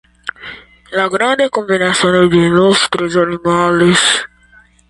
Tiutempe la diservoj okazis en privata domo.